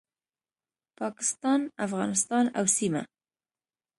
پاکستان، افغانستان او سیمه